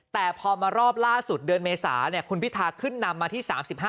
แต่พอมารอบล่าสุดเดือนเมษาคุณพิทาขึ้นนำมาที่๓๕